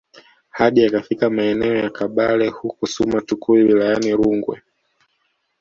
hadi akafika maeneo ya kabale huko suma tukuyu wilayani rungwe